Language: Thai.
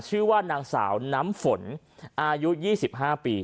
ชื่อว่านางสาวน้ำฝนอายุ๒๕ปี